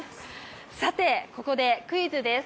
さてここでクイズです。